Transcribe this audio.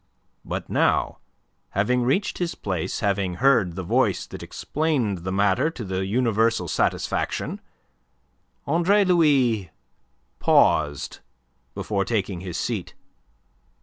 But now, having reached his place, having heard the voice that explained the matter to the universal satisfaction, Andre Louis paused before taking his seat.